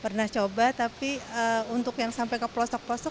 pernah coba tapi untuk yang sampai ke pelosok pelosok